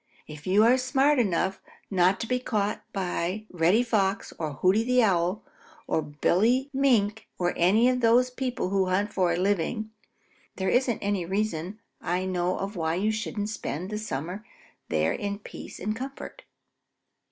If you are smart enough not to be caught by Reddy Fox or Hooty the Owl or Billy Mink or any of those people who hunt for a living, there isn't any reason I know of why you shouldn't spend the summer there in peace and comfort."